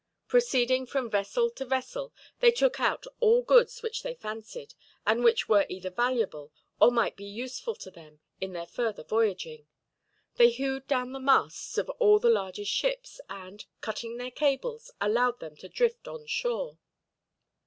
Proceeding from vessel to vessel, they took out all goods which they fancied, and which were either valuable, or might be useful to them in their further voyaging. They hewed down the masts of all the largest ships and, cutting their cables, allowed them to drift on shore.